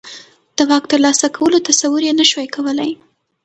د واک ترلاسه کولو تصور یې نه شوای کولای.